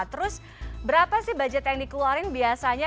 terus berapa sih budget yang dikeluarin biasanya